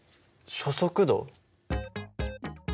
初速度？